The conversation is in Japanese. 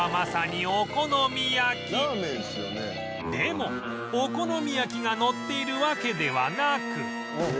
でもお好み焼きがのっているわけではなく